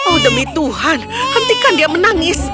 oh demi tuhan hentikan dia menangis